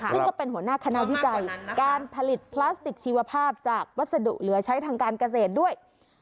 ซึ่งก็เป็นหัวหน้าคณะวิจัยการผลิตพลาสติกชีวภาพจากวัสดุเหลือใช้ทางการเกษตรด้วย